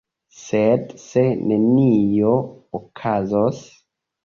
Sed se nenio okazos?